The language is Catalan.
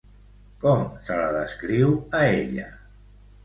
Com se la descriu a ella?